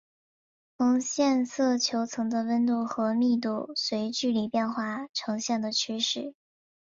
呈现色球层的温度和密度随距离变化呈现的趋势。